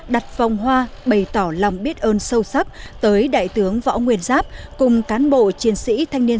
đặt vòng hoa bày tỏ lòng biết ơn sâu sắc tới đại tướng võ nguyên giáp cùng cán bộ chiến sĩ thanh niên